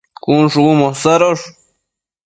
cun shubu mosadosh